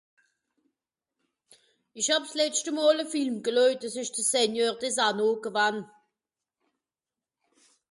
ìsch hàb s'letschte mòl à Film geleujt des esch de Seigneur des Anneaux gewann